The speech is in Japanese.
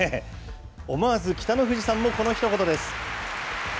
思わず北の富士さんも、このひと言です。